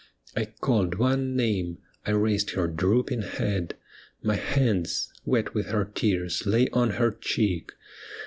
I called one name, I raised her drooping head. My hands, wet with her tears, lay on her cheek.